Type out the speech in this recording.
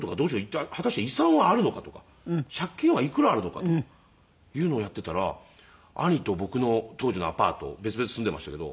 果たして遺産はあるのかとか借金はいくらあるのかというのをやっていたら兄と僕の当時のアパート別々に住んでいましたけど。